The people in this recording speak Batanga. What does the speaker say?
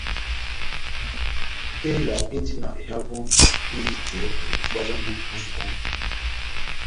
Tela indi na ehavo ehitɛ ó itubwa já mbúh mwá sukulu.